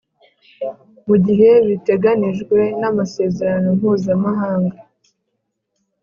Mu Gihe Biteganijwe N Amasezerano Mpuzamahanga